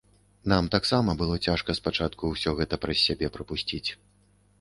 Нам таксама было цяжка спачатку ўсё гэта праз сябе прапусціць.